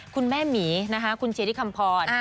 คุณแม่หมีนะค่ะคุณเชดี้คำพร